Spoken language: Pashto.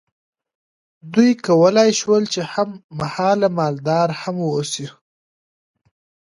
دوی کولی شول چې هم مهاله مالدار هم واوسي.